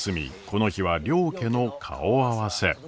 この日は両家の顔合わせ。